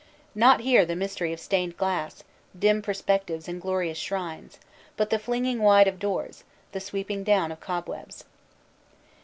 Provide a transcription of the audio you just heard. Not here the mystery of stained glass, dim per spectives and glorious shrines, but the flinging wide of doors, the sweeping down of cobwebs.